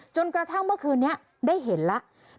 จนกระทั่งเมื่อคืนนี้ได้เห็นแล้ว